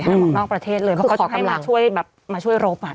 ห้ามออกนอกประเทศเลยเพราะเขามาช่วยรบ